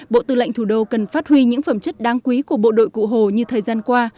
bộ tư lệnh thủ đô cần phát huy những phẩm chất đáng quý của bộ đội cụ hồ như thời gian qua